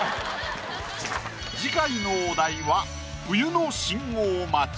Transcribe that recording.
次回のお題は「冬の信号待ち」。